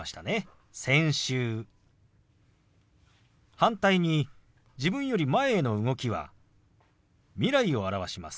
反対に自分より前への動きは未来を表します。